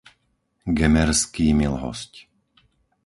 Gemerský Milhosť